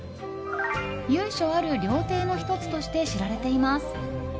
由緒ある料亭の１つとして知られています。